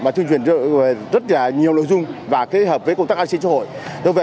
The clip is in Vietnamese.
mà thuyên truyền về rất là nhiều nội dung và kết hợp với công tác an sinh châu hội